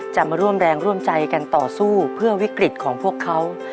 จะมาร่วมแรงร่วมใจกันต่อสู้เพื่อวิกฤตของพวกเขา